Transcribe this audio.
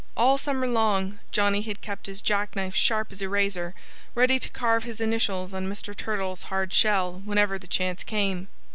All summer long Johnnie had kept his jackknife sharp as a razor, ready to carve his initials on Mr. Turtle's hard shell whenever the chance came.